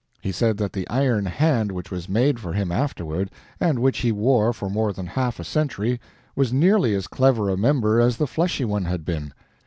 He said that the iron hand which was made for him afterward, and which he wore for more than half a century, was nearly as clever a member as the fleshy one had been.